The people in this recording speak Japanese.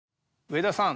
上田さん